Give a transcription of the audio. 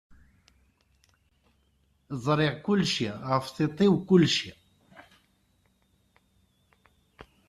Ẓriɣ kullci, ɣef tiṭ-iw kullci.